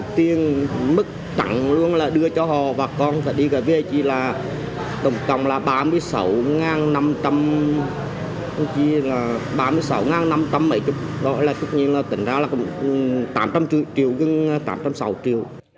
tiền mất tặng luôn là đưa cho họ và con sẽ đi về chỉ là tổng cộng là ba mươi sáu năm trăm linh ba mươi sáu năm trăm linh mấy chục gọi là chút nhiên là tỉnh ra là tám trăm linh triệu